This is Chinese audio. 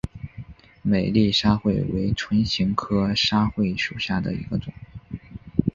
美丽沙穗为唇形科沙穗属下的一个种。